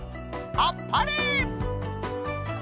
あっぱれ！